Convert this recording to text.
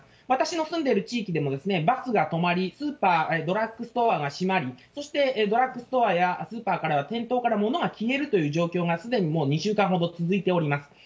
私の住んでいる地域でも、バスが止まり、スーパー、ドラッグストアが閉まり、そしてドラッグストアやスーパーからは、店頭から物が消えるという状況が、すでにもう２週間ほど続いております。